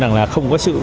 nên là không có sự